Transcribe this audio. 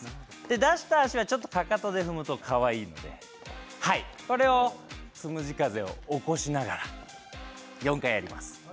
出した足はちょっとかかとで踏むとかわいいのでこれを、つむじ風を起こしながら４回やります。